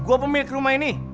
gue pemilik rumah ini